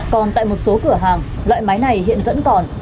còn tại một số cửa hàng loại máy này hiện vẫn còn